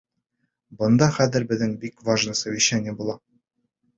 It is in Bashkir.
Бында хәҙер беҙҙең бик важный совещание була.